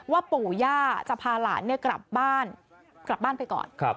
ว่าปู่ย่าจะพาหลานกลับบ้านไปก่อน